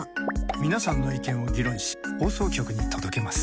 皆さんの意見を議論し放送局に届けます。